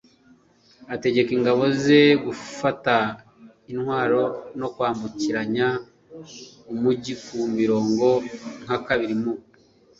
ategeka ingabo ze gufata intwaro no kwambukiranya umugi ku mirongo nk'abari mu